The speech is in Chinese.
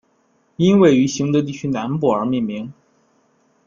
因位于行德地区南部而命名。